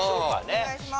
お願いします。